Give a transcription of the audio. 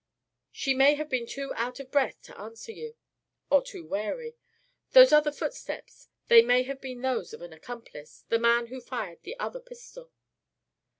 "She may have been too out of breath to answer you. Or too wary. Those other footsteps they may have been those of an accomplice; the man who fired the other pistol."